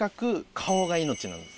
顔が命なんです。